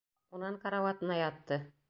Унан карауатына ятты.